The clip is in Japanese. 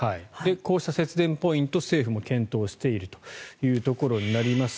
こうした節電ポイント政府も検討しているというところになります。